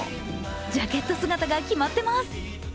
ジャケット姿が決まってます。